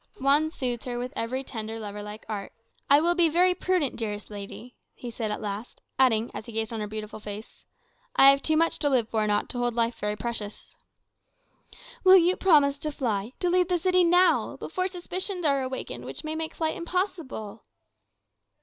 Juan soothed her with every tender, lover like art. "I will be very prudent, dearest lady," he said at last; adding, as he gazed on her beautiful face, "I have too much to live for not to hold life very precious." "Will you promise to fly to leave the city now, before suspicions are awakened which may make flight impossible?"